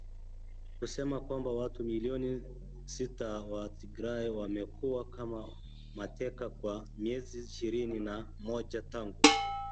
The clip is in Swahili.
kusema kwamba watu milioni sita wa Tigray wamekuwa kama mateka kwa miezi ishirini na moja tangu